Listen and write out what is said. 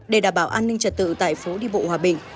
để đảm bảo an ninh trật tự tại phố đi bộ hòa bình